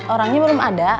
orangnya belum ada